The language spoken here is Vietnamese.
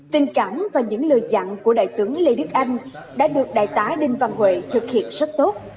tình cảm và những lời dặn của đại tướng lê đức anh đã được đại tá đinh văn huệ thực hiện rất tốt